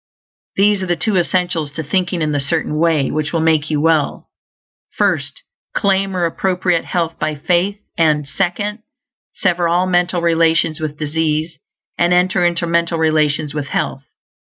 These are the two essentials to thinking in the Certain Way which will make you well: first, claim or appropriate health by faith; and, second, sever all mental relations with disease, and enter into mental relations with health.